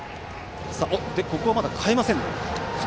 ここは、まだ代えませんね。